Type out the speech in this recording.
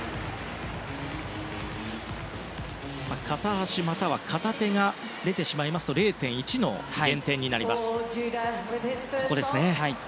片足または片手が出てしまいますと０．１の減点になります。